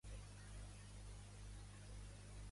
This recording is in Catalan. Al Gènesi, la dona crea a l'home?